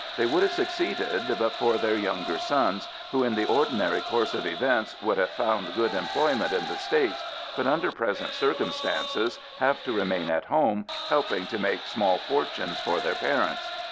They would have succeeded but for their younger sons, who, in the ordinary course of events, would have found good employment in the States, but under present circumstances have to remain at home helping to make small fortunes for their parents.